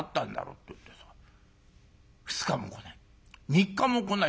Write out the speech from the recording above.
２日も来ない。